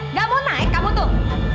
nggak mau naik kamu tuh